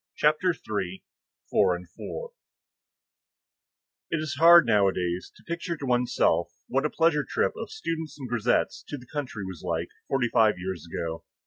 CHAPTER III—FOUR AND FOUR It is hard nowadays to picture to one's self what a pleasure trip of students and grisettes to the country was like, forty five years ago.